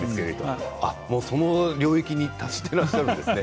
その領域に達しているんですね。